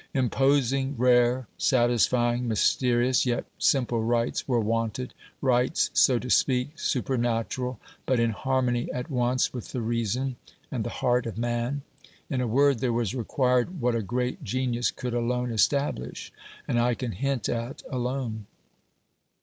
Imposing, rare, satisfying, mysteri ous yet simple rites were wanted, rites, so to speak, super natural, but in harmony at once with the reason and the heart of man. In a word, there was required what a great genius could alone establish, and I can hint at alone.